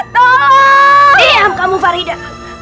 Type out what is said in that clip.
diam kamu farida